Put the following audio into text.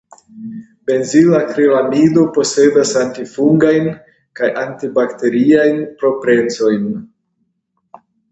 Benzilakrilamido posedas antifungajn kaj antibakteriajn proprecojn.